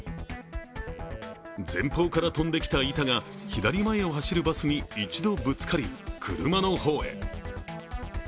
前方から飛んできた板が左前を走るバスに一度ぶつかり、車の方へ。